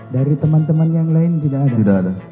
dari teman teman yang lain tidak ada